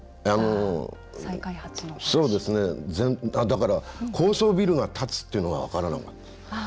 だから、高層ビルが建つっていうのが分からなかった。